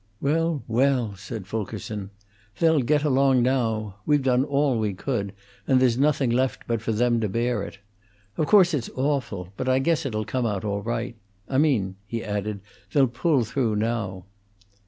"Well, well," said Fulkerson. "They'll get along now. We've done all we could, and there's nothing left but for them to bear it. Of course it's awful, but I guess it 'll come out all right. I mean," he added, "they'll pull through now."